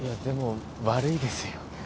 でも悪いですよ。